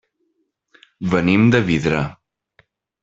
Venim de Vidrà.